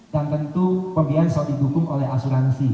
dan tentu pembiayaan selalu didukung oleh asuransi